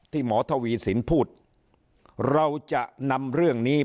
หมอทวีสินพูดเราจะนำเรื่องนี้